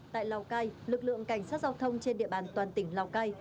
tại lào cai lực lượng cảnh sát giao thông trên địa bàn toàn tỉnh lào cai